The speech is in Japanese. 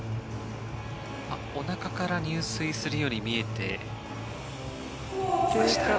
おなかから入水するように見えていましたが。